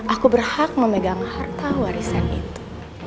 aku berhak memegang harta warisan itu